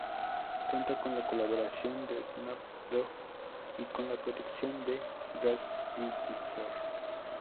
Cuenta con la colaboración de Snoop Dogg y con la producción de Daz Dillinger.